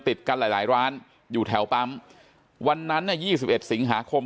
ติดกันหลายร้านอยู่แถวปั๊มวันนั้น๒๑สิงหาคม